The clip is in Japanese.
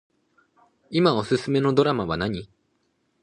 いまおすすめのドラマ何